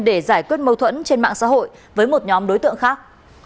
để giải quyết mâu thuẫn trên mạng xã hội với một nhóm đối tượng khác